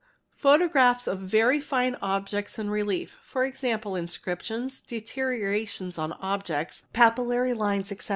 Photographs of very fine objects in relief, e.g., imscriptions, deteriorations on objects, papillary lines, etc.